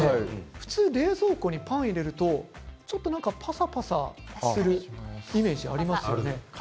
普通、冷蔵庫にパンを入れると、ぱさぱさするイメージがありますよね。